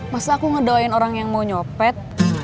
masa aku ngedoain orang yang mau nyopet